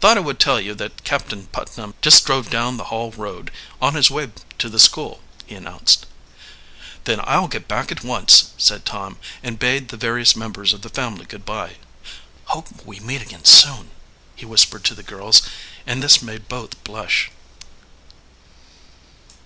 "Thought I would tell you that Captain Putnam just drove down the Hall road on his way to the school," he announced. "Then I'll get back at once," said Tom, and bade the various members of the family good by. "Hope we meet again soon," he whispered to the girls, and this made both blush.